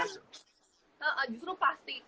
sampah itu kan justru plastik